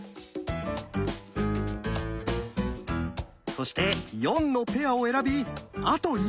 そして「４」のペアを選びあと１枚に。